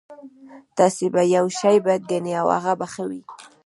تاسې به يو شی بد ګڼئ او هغه به ښه وي.